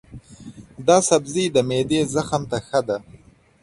دا سبزی د معدې زخم ته ښه دی.